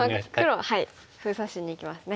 黒は封鎖しにいきますね。